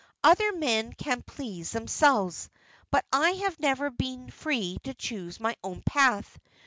Other men can please themselves, but I have never been free to choose my own path.